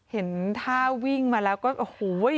เห็นท่าวิ่งมาแล้วก็โอ้โห